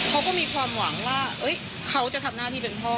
เขาก็มีความหวังว่าเขาจะทำหน้าที่เป็นพ่อ